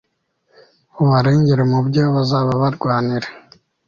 ubarengere mu byo bazaba barwanira